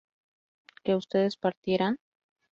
¿que ustedes partieran?